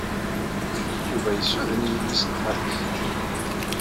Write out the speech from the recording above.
Yuba yessuden yelli-s n xali-s.